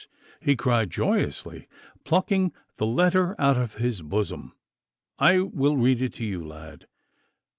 he cried joyously, plucking the letter out of his bosom. 'I will read it to you, lad.